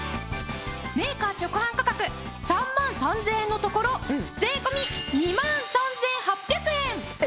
メーカー直販価格３万３０００円のところ税込２万３８００円！